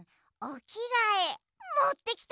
おきがえ？